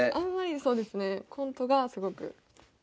そうですねコントがすごく好きです。